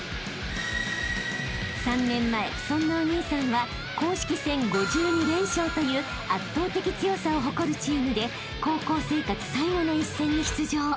［３年前そんなお兄さんは公式戦５２連勝という圧倒的強さを誇るチームで高校生活最後の一戦に出場］